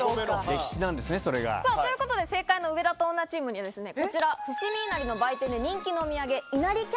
歴史なんですねそれが。ということで正解の「上田と女チーム」にはこちら伏見稲荷の売店で人気のお土産。